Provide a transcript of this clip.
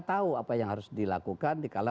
tahu apa yang harus dilakukan dikala